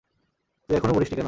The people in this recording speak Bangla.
তুই এখনও মরিসনি কেন?